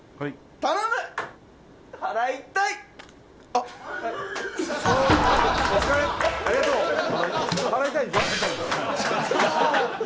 伊達：ありがとうございます！